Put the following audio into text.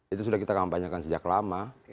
itu sudah kita kampanyekan sejak lama